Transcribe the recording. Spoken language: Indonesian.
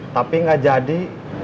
tapi gak jadi